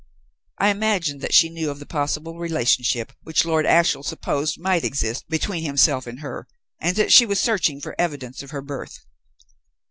I imagined that she knew of the possible relationship which Lord Ashiel supposed might exist between himself and her, and that she was searching for evidence of her birth.